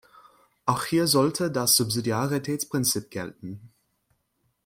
Auch hier sollte das Subsidiaritätsprinzip gelten.